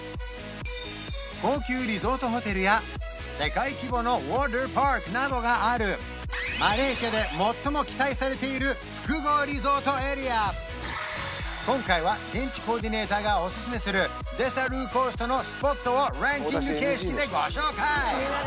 高級リゾートホテルや世界規模のウォーターパークなどがあるマレーシアで今回は現地コーディネーターがおすすめするデサルコーストのスポットをランキング形式でご紹介！